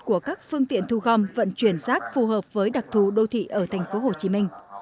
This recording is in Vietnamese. của các phương tiện thu gom vận chuyển xác phù hợp với đặc thù đô thị ở tp hcm